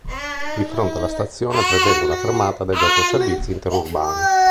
Di fronte alla stazione è presente una fermata degli autoservizi interurbani.